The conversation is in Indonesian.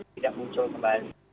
tidak muncul kembali